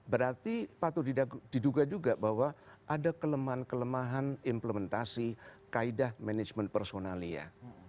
berarti patut diduga juga bahwa ada kelemahan kelemahan implementasi kaedah management personal ya